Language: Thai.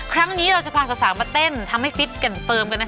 ครั้งนี้เราจะพาสาวมาเต้นทำให้ฟิตแก่นเฟิร์มกันนะคะ